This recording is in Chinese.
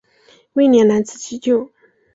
威廉难辞其咎。